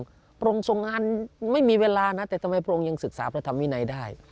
พระองค์ทรงงานไม่มีเวลานะแต่ทำไมพระองค์ยังศึกษาพระธรรมวินัยได้